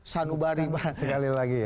sanubari bang taufik sekali lagi ya